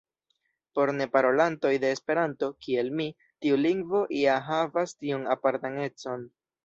Por neparolantoj de Esperanto, kiel mi, tiu lingvo ja havas tiun apartan econ.